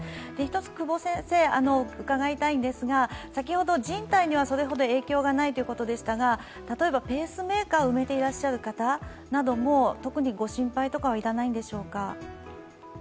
１つ、久保先生に伺いたいんですが、先ほど人体にはそれほど影響がないということでしたが、例えばペースメーカーを埋めていらっしゃる方特にご心配とかはいらないんでしょうか？